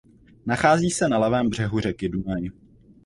Nachází se na levém břehu řeky Dunaj.